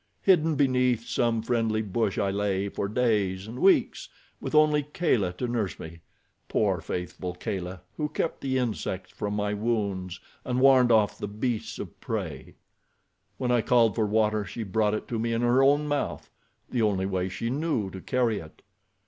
Hidden beneath some friendly bush I lay for days and weeks with only Kala to nurse me—poor, faithful Kala, who kept the insects from my wounds and warned off the beasts of prey. "When I called for water she brought it to me in her own mouth—the only way she knew to carry it.